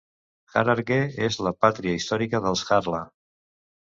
Hararghe és la pàtria històrica dels Harla.